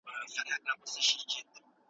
څه شی د ساري ناروغیو په مخنیوي کي مرسته کوي؟